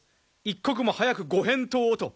一刻も早くご返答をと。